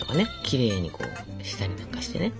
きれいにこうしたりなんかしてね。